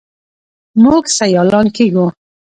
موږ سیالان کیږو.